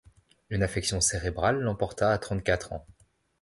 Une affection cérébrale l’emporta à trente-quatre ans.